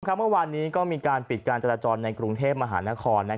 เมื่อวานนี้ก็มีการปิดการจราจรในกรุงเทพมหานคร